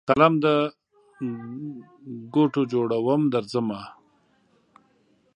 قلم دګوټو جوړوم درځمه